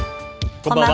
こんばんは。